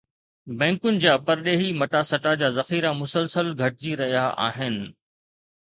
بئنڪن جا پرڏيهي مٽا سٽا جا ذخيرا مسلسل گهٽجي رهيا آهن